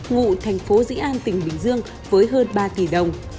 ngụ thành phố dĩ an tỉnh bình dương với hơn ba tỷ đồng